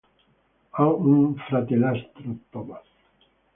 Ha un fratellastro Thomas.